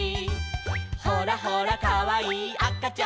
「ほらほらかわいいあかちゃんも」